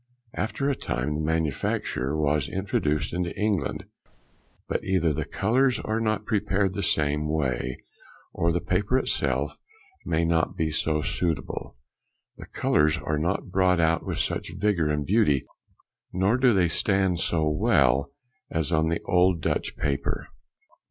After a time the manufacture was introduced into England, but either the colours are not prepared the same way, or the paper itself may not be so suitable, the colours are not brought out with such vigour and beauty, nor do they stand so well, as on the old Dutch paper.